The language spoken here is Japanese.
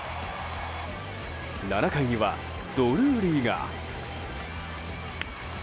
７回にはドルーリーが。